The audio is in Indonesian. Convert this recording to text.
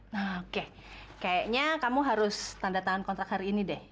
nah oke kayaknya kamu harus tanda tangan kontrak hari ini deh